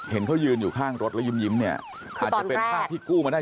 เห็นเขายืนอยู่ข้างรถแล้วยิ้มนี่